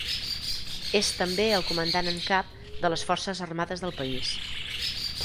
És també el Comandant-en-Cap de les forces armades del país.